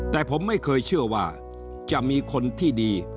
แต่ผมไม่เคยเชื่อว่าจะมีคนที่ดี